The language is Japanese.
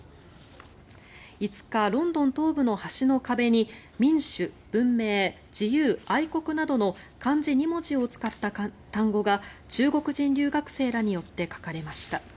５日、ロンドン東部の橋の壁に民主、文明、自由、愛国などの漢字２文字を使った単語が中国人留学生らによって書かれました。